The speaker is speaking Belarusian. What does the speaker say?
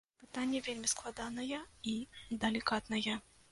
Пытанне вельмі складанае і далікатнае.